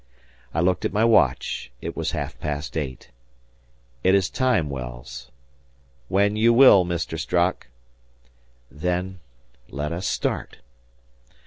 I looked at my watch, it was half past eight. "It is time, Wells." "When you will, Mr. Strock." "Then let us start."